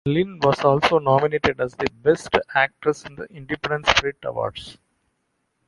Lynn was also nominated as the best actress in the Independent Spirit Awards.